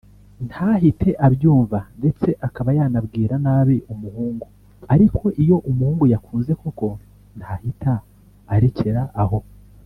ntahite abyumva ndetse akaba yanabwira nabi umuhungu ariko iyo umuhungu yakunze koko ntahita arekera aho